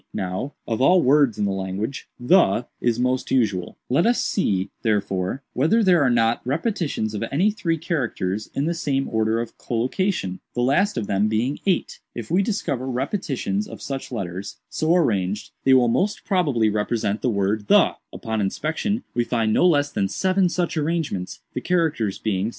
Now, of all words in the language, 'the' is most usual; let us see, therefore, whether there are not repetitions of any three characters, in the same order of collocation, the last of them being 8. If we discover repetitions of such letters, so arranged, they will most probably represent the word 'the.' Upon inspection, we find no less than seven such arrangements, the characters being ;48.